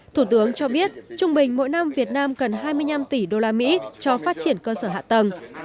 thủ tướng cho biết trung bình mỗi năm việt nam cần hai mươi năm tỷ đô la mỹ cho phát triển cơ sở hạ tầng